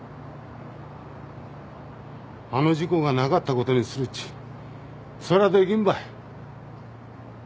あの事故がなかったことにするっちそらできんばい。